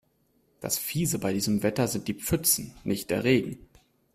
Das Fiese bei diesem Wetter sind die Pfützen, nicht der Regen.